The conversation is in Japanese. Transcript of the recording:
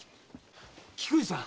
菊路さん！